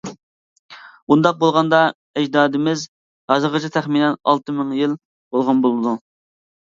ئۇنداق بولغاندا ئەجدادىمىز ھازىرغىچە تەخمىنەن ئالتە مىڭ يىل بولغان بولىدۇ.